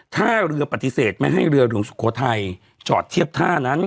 ถ้าเรือปฏิเสธไม่ให้เรือหลวงสุโขทัยจอดเทียบท่านั้น